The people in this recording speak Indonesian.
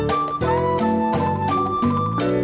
di lebih banyak simpen